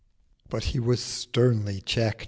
But he was sternly checkt.